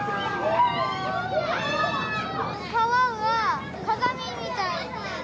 川は鏡みたい。